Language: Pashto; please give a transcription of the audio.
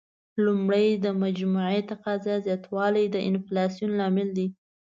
لومړی: د مجموعي تقاضا زیاتوالی د انفلاسیون لامل دی.